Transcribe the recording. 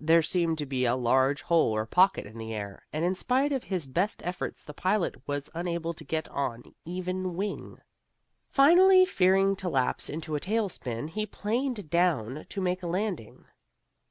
There seemed to be a large hole or pocket in the air, and in spite of his best efforts the pilot was unable to get on even wing. Finally, fearing to lapse into a tail spin, he planed down to make a landing.